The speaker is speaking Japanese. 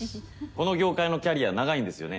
この業界のキャリア長いんですよね？